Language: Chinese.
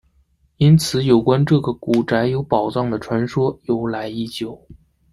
因此有关这个古宅有宝藏的传说由来已久。